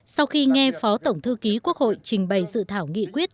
sau khi nghe phó tổng thư ký quốc hội trình bày dự thảo nghị quyết